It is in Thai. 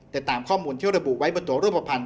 แต่ตามข้อมูลที่ระบุไว้บนตัวรูปภัณฑ